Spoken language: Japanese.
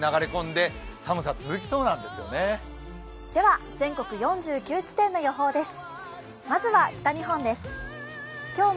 では全国４９地点の予報です。